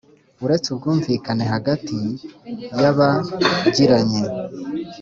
Uretse ubwumvikane hagati y abagiranye